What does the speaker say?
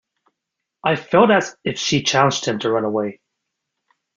I felt as if she challenged him to run away.